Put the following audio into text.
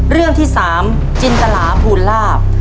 เรื่องที่๓จินตลาภูลาภ